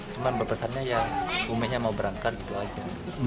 cuman berpesannya ya umenya mau berangkat gitu aja